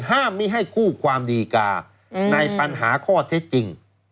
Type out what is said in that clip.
ห้ามไม่ให้คู่ความดีกาในปัญหาข้อเท็จจริง